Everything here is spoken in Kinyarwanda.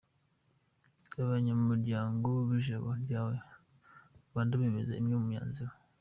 Abanyamuryango b'Ijabo Ryawe Rwanda bemeza imwe mu myanzuro.